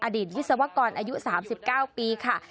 วิศวกรอายุ๓๙ปีค่ะ